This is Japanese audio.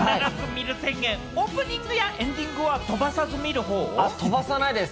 オープニングやエンディング飛ばさないです。